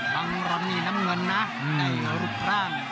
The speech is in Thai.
บังรนนี่น้ำเงินนะในรูปร่าง